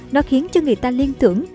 nó khiến cho người ta liên tưởng